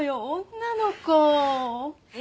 女の子。へ。